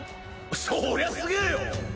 そりゃすげえよ！